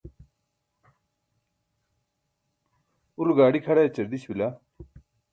ulo gaaḍi kʰaḍa ećar diś bila?